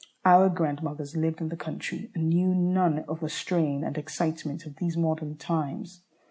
Our grandmothers lived in the country, and knew none of the strain and excitement of these modern times.